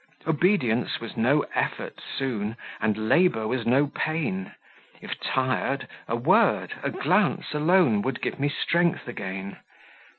Obedience was no effort soon, And labour was no pain; If tired, a word, a glance alone Would give me strength again.